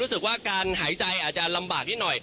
รู้สึกว่าการหายใจอาจจะลำบากนิดหน่อย